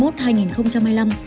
tỉnh phú yên